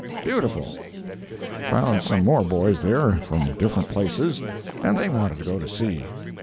beautiful! Found some more boys there from different places, and they wanted to go to sea.